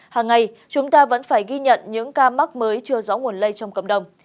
hàng ngày chúng ta vẫn phải ghi nhận những ca mắc mới chưa rõ nguồn lây trong cộng đồng